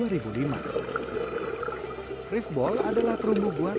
rifbol adalah terumbu berat